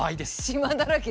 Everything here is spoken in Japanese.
島だらけ！